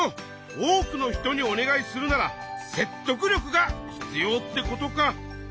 多くの人にお願いするなら説得力が必要ってことか。